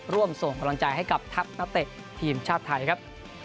ร่วมส่งกำลังใจให้กับทัพนักเตะทีมชาติไทยครับ